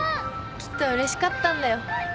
きっとうれしかったんだよ。